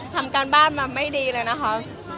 ทำการบ้านมาไม่ดีเลยนะคะ